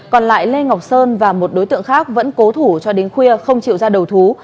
còn lại lê ngọc sơn và một đối tượng khác vẫn cố thủ cho đến khuya không chịu ra đầu thú